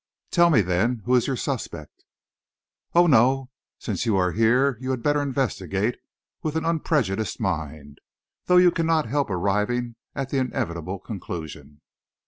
"Tell me then, who is your suspect?" "Oh, no, since you are here you had better investigate with an unprejudiced mind. Though you cannot help arriving at the inevitable conclusion."